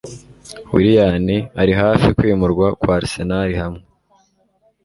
Willian ari hafi kwimurwa kwa Arsenal hamwe